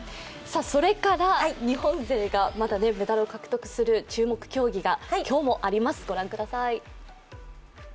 それから日本勢がまだメダルを獲得する注目競技が今日もあります。